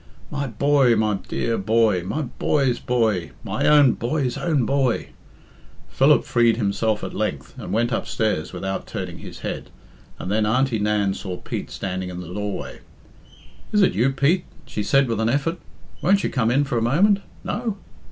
"My boy! My dear boy! My boy's boy! My own boy's own boy!" Philip freed himself at length, and went upstairs without turning his head, and then Auntie Nan saw Pete standing in the doorway. "Is it you, Pete?" she said with an effort. "Won't you come in for a moment? No?"